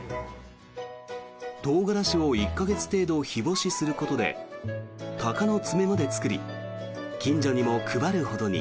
トウガラシを１か月程度日干しすることでタカノツメまで作り近所にも配るほどに。